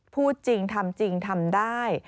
พูดจริงทำจริงทำได้